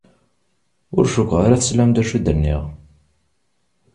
Ur cukkeɣ ara teslam-d acu i d-nniɣ.